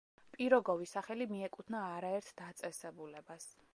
პიროგოვის სახელი მიეკუთვნა არაერთ დაწესებულებას.